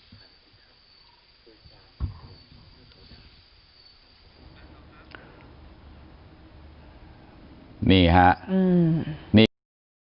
สุดท้ายใดฐานไม่ทำด้วย